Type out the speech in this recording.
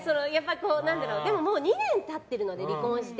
でも、もう２年経ってるので離婚して。